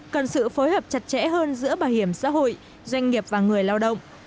cần sự phối hợp chặt chẽ hơn giữa bảo hiểm xã hội doanh nghiệp và người lao động